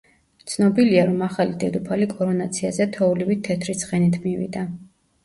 ცნობილია, რომ ახალი დედოფალი კორონაციაზე თოვლივით თეთრი ცხენით მივიდა.